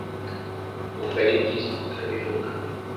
Numva ari byiza kutabivuga .